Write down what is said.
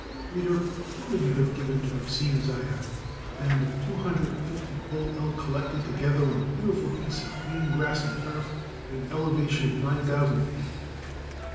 Reader, what would you have given to have seen, as I have, a band of two hundred and fifty bull elk collected together on a beautiful piece of green grassy turf at an elevation of nine thousand feet?